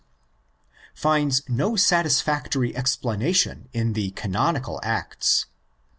4 5, xi. 28 28) find no satisfactory explanation in the Canonical Acts.